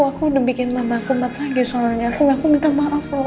aku udah bikin mama akumat lagi soalnya aku gak mau minta maaf oleh